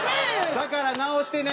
「だからなおしてね！！」